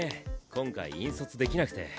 今回引率できなくて。